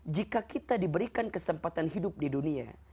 jika kita diberikan kesempatan hidup di dunia